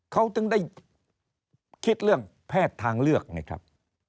เขาถึงได้คิดเรื่องแพทย์ทางเลือกไงครับ